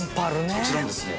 そちらのですね